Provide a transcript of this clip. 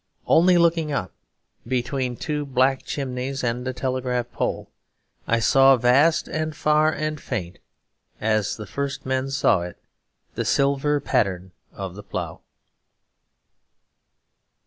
Only, looking up, between two black chimneys and a telegraph pole, I saw vast and far and faint, as the first men saw it, the silver pattern of the Plough.